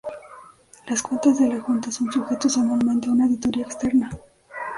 Las cuentas de la Junta son sujetos anualmente a una auditoría externa.